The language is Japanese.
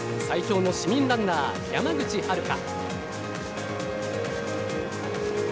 最強の市民ランナー山口遥。